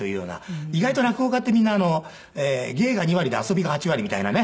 意外と落語家ってみんな芸が２割で遊びが８割みたいなね